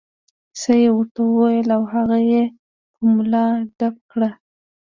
څه یې ورته وویل او هغه یې په ملا ډب کړ.